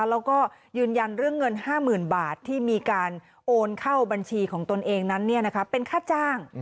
แล้วก็ยืนยันเรื่องเงิน๕๐๐๐บาทที่มีการโอนเข้าบัญชีของตนเองนั้นเป็นค่าจ้าง